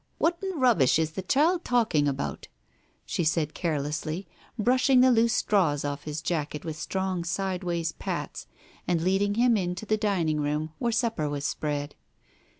Whatten rubbish is the child talking about ?" she said carelessly, brush ing the loose straws off his jacket with strong sideway pats, and leading him in to the dining room where supper was spread.